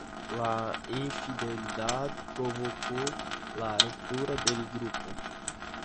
La infidelidad provocó la ruptura del grupo.